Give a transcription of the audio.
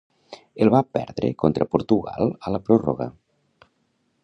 El va perdre contra Portugal a la pròrroga.